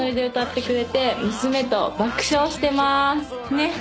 ねっ！